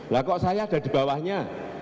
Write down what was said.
lah kok saya ada di bawahnya